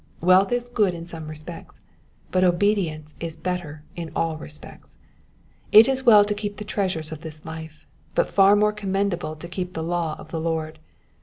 Wealth is good in some respects, but obedience is better in all respects. It is well to keep the treasures of this life ; but far more commendable to keep the law of the Lord.